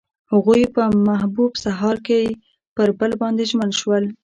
هغوی په محبوب سهار کې پر بل باندې ژمن شول.